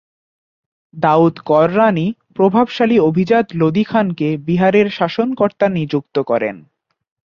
দাউদ কররানী প্রভাবশালী অভিজাত লোদী খানকে বিহারের শাসনকর্তা নিযুক্ত করেন।